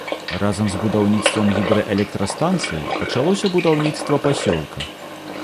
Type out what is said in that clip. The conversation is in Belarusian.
Разам з будаўніцтвам гідраэлектрастанцыі пачалося будаўніцтва пасёлка.